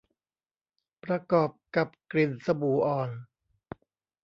ประกอบกับกลิ่นสบู่อ่อน